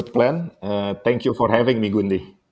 karena saya tidak pikir ini adalah